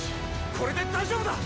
これで大丈夫だ」